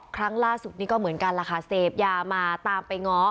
ครั้งล่าสุดนี้ก็เหมือนกันล่ะค่ะเสพยามาตามไปง้อ